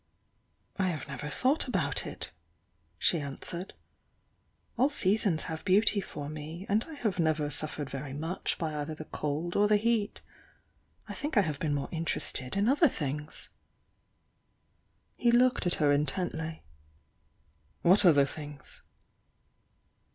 "I have never thought about it," she answered. "All seasons have beauty for me, and I have never suffered very much by either the cold or the heat. I think I have been more interested in other things." He looked at her intentl". "What other things?"